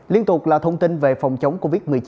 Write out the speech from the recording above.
liên tục là thông tin về phòng chống covid một mươi chín